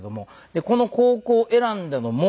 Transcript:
でこの高校を選んだのも。